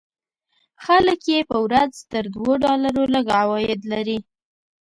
خلک یې په ورځ تر دوو ډالرو لږ عواید لري.